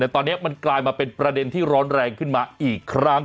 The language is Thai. แต่ตอนนี้มันกลายมาเป็นประเด็นที่ร้อนแรงขึ้นมาอีกครั้ง